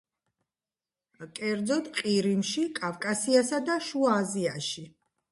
კერძოდ, ყირიმში, კავკასიასა და შუა აზიაში.